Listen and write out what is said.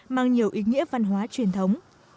mang nhiều ý nghĩa về tình hình của người dân